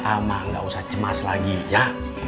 sama gak usah cemas lagi ya